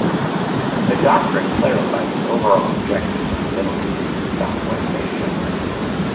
The doctrine clarified the overall objectives in the Middle East and Southwest Asia.